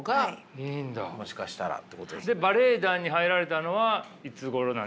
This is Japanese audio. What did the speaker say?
バレエ団に入られたのはいつごろなんですか。